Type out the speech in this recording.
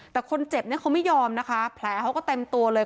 แต่คนเจ็บเนี่ยเขาไม่ยอมนะคะแผลเขาก็เต็มตัวเลย